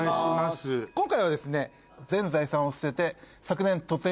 今回はですね。